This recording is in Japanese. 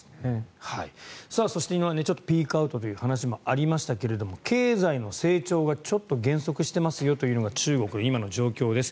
そして今、ピークアウトという話もありましたが経済の成長がちょっと減速してますよというのが中国の今の状況です。